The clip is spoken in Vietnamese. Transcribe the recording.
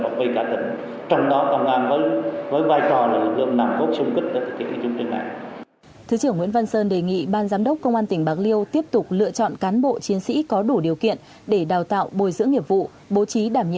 phát biểu chỉ đạo tại buổi lễ thứ trưởng nguyễn văn sơn đánh giá cao những thành tích mà công an tỉnh bạc liêu đã đạt được